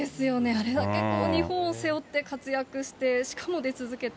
あれは結構、日本を背負って活躍して、しかも出続けて。